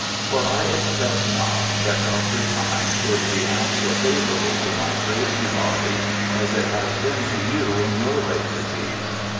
For I expect not that Dr. Time should be half so favourable to my crazy body as it has been to you in your late disease.